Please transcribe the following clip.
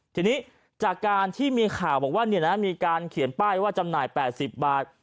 ทีนี้จากการที่มีข่าวบอกว่ามีการเขียนป้ายว่าจำหน่าย๘๐บาท